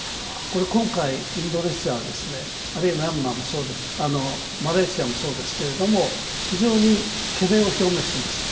今回、インドネシア、あるいはミャンマー、マレーシアもそうですが、非常に懸念を表明しています。